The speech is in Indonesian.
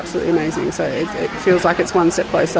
jadi rasanya seperti itu satu langkah lebih dekat